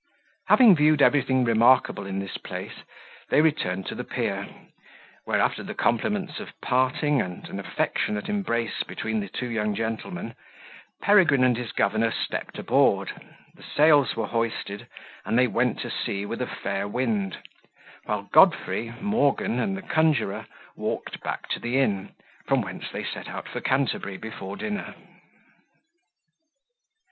Having viewed everything remarkable in this place, they returned to the pier, where, after the compliments of parting, and an affectionate embrace between the two young gentlemen, Peregrine and his governor stepped aboard, the sails were hoisted, and they went to sea with a fair wind, while Godfrey, Morgan, and the conjurer walked back to the inn, from whence they set out for Canterbury before dinner.